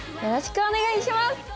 よろしくお願いします。